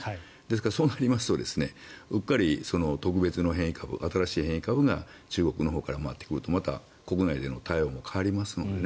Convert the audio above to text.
そうなりますとうっかり特別の変異株、新しい変異株が中国のほうから回ってくるとまた国内での対応も変わりますのでね